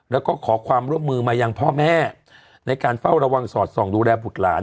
แล้วก็ขอความร่วมมือมายังพ่อแม่ในการเฝ้าระวังสอดส่องดูแลบุตรหลาน